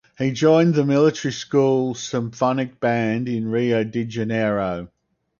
He joined the Military School Symphonic Band in Rio de Janeiro.